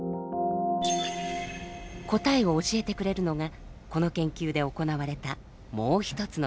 答えを教えてくれるのがこの研究で行われたもうひとつの実験。